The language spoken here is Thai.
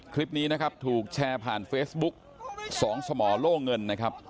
คลิปนี้นะครับถูกแชร์ผ่านเฟซบุ๊ก๒สมอโล่เงินนะครับ